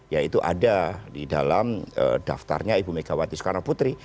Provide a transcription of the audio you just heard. yaitu ada di dalam daftarnya ibu megawati soekarno putri